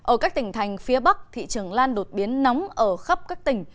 ở các tỉnh thành phía bắc thị trường lan đột biến nóng ở khắp các tỉnh